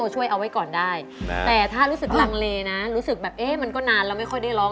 ช่วยเอาไว้ก่อนได้แต่ถ้ารู้สึกลังเลนะรู้สึกแบบเอ๊ะมันก็นานแล้วไม่ค่อยได้ร้อง